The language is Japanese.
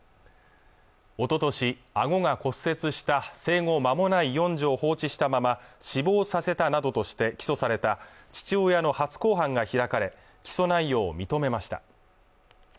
おととし顎が骨折した生後まもない四女を放置したまま死亡させたなどとして起訴された父親の初公判が開かれ起訴内容を認めました